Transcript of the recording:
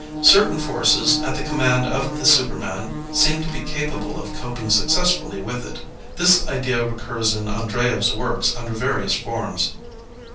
Certain forces, at the command of the superman, seem to be capable of coping successfully with it. This idea recurs in Andreyev's works under va rious forms.